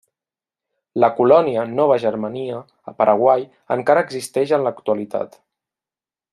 La colònia Nova Germania a Paraguai encara existeix en l'actualitat.